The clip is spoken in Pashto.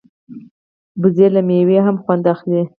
وزې له مېوې هم خوند اخلي